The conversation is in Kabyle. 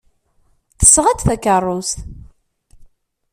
Tesɣa-d takeṛṛust.